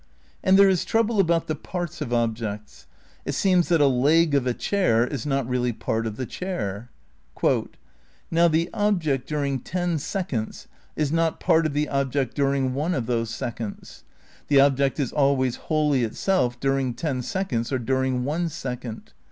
And there is trouble about the parts of objects. It seems that a leg of a chair is not really part of the chair. "Now the object during ten seconds is not part of the object dur ing one of those seconds. The object is always wholly itself during ten seconds or during one second.